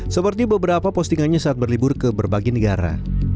seperti beberapa postingannya saat berlibur ke berbagai negara